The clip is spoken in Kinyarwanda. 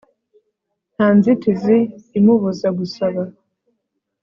nta nzitizi imubuza gusaba